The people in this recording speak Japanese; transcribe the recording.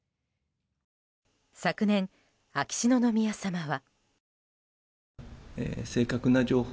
昨年、秋篠宮さまは。